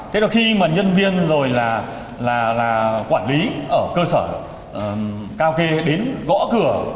thế đó khi mà nhân viên rồi là quản lý ở cơ sở cao kê đến gõ cửa